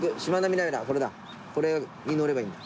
これに乗ればいいんだ。